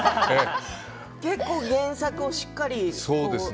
結構、原作をしっかり？